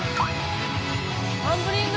タンブリング？